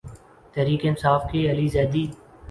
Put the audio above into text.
تحریک انصاف کے علی زیدی